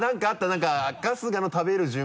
何か春日の食べる順番。